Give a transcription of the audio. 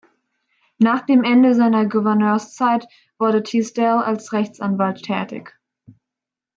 Nach dem Ende seiner Gouverneurszeit wurde Teasdale als Rechtsanwalt tätig.